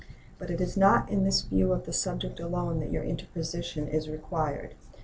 But it is not in this view of the subject alone that your interposition is required.